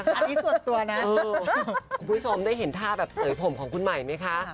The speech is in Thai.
คุณผู้ชมได้เห็นท่าแบบเสยผมของคุณใหม่ไหมคะ